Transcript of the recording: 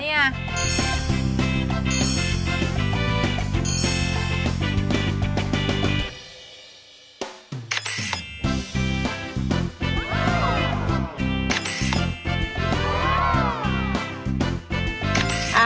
นี่ไงนี่ไง